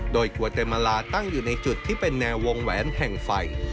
โดยครัวเต็มมาลาตั้งอยู่ในจุดที่เป็นแนววงแหวนแห่งไฟ